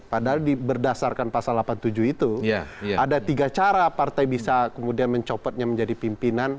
padahal berdasarkan pasal delapan puluh tujuh itu ada tiga cara partai bisa kemudian mencopotnya menjadi pimpinan